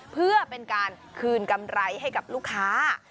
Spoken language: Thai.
เพื่อเป็นการคืนกำไรให้กับลูกค้า